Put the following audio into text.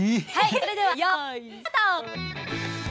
それではよいスタート！